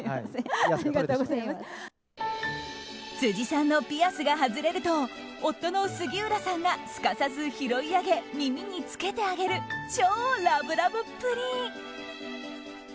辻さんのピアスが外れると夫の杉浦さんがすかさず拾い上げ耳につけてあげる超ラブラブっぷり。